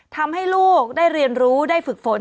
ทำให้ลูกได้เรียนรู้ได้ฝึกฝน